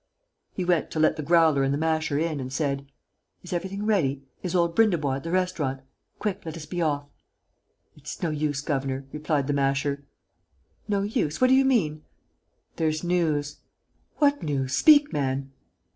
He went to let the Growler and the Masher in and said: "Is everything ready? Is old Brindebois at the restaurant? Quick, let us be off!" "It's no use, governor," replied the Masher. "No use? What do you mean?" "There's news." "What news? Speak, man!"